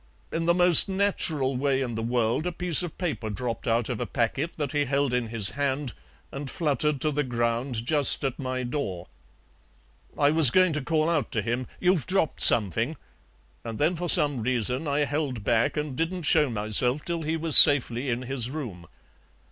In the most natural way in the world a piece of paper dropped out of a packet that he held in his hand and fluttered to the ground just at my door. I was going to call out to him 'You've dropped something,' and then for some reason I held back and didn't show myself till he was safely in his room.